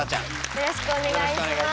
よろしくお願いします。